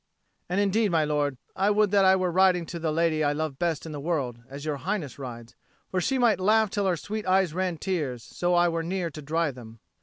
And indeed, my lord, I would that I were riding to the lady I love best in the world, as Your Highness rides; for she might laugh till her sweet eyes ran tears so I were near to dry them."